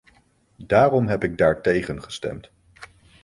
Daarom heb ik daartegen gestemd.